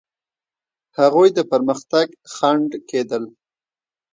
هغوی د پرمختګ خنډ کېدل.